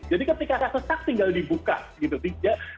jadi ketika sesak tinggal dibuka gitu